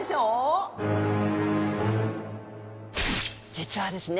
実はですね